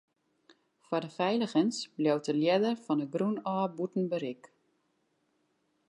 Foar de feiligens bliuwt de ljedder fan 'e grûn ôf bûten berik.